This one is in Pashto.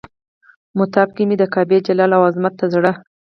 مطاف کې مې د کعبې جلال او عظمت ته زړه.